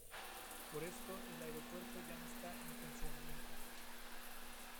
Por esto, el aeropuerto ya no está en funcionamiento.